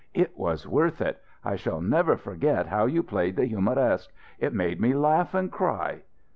It was worth it. I shall never forget how you played the 'Humoresque.' It made me laugh and cry."